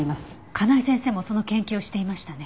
香奈枝先生もその研究をしていましたね。